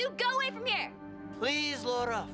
tolong laura maafkan aku